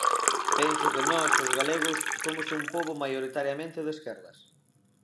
Penso que nós os galegos, somos un pobo maioritariamente de esquerdas.